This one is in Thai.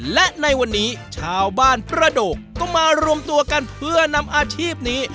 และในวันนี้ชาวบ้านประโดกก็มารวมตัวกันเพื่อนำอาชีพนี้